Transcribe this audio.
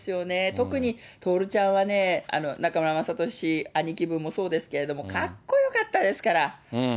特に徹ちゃんはね、中村雅俊兄貴分もそうですけれども、かっこよかったですから。